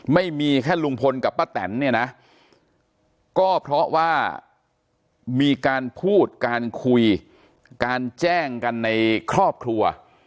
ไม่มีแค่ลุงพลกับป้าแตนเนี่ยนะก็เพราะว่ามีการพูดการคุยการแจ้งกันในครอบครัว